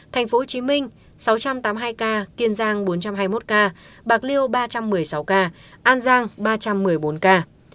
thành phố hồ chí minh sáu trăm tám mươi hai ca kiên giang bốn trăm hai mươi một ca bạc liêu ba trăm một mươi sáu ca an giang ba trăm một mươi bốn ca